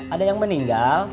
ada yang meninggal